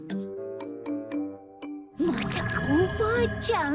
まさかおばあちゃん？